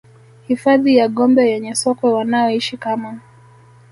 Hifadhi ya Gombe yenye sokwe wanaoishi kama